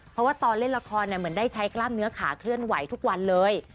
เพราะว่าตอนเล่นละครเหมือนได้ใช้กล้ามเนื้อขาเคลื่อนไหวทุกวันเลย